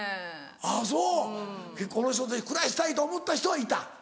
あぁそうこの人と暮らしたいと思った人はいた？